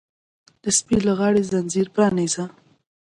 د سپي له غاړې ځنځیر پرانیزه!